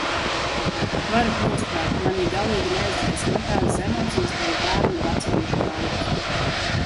Varat nosprāgt, manī galīgi neizraisa nekādas emocijas tavu bērnu bacilīšu raudas.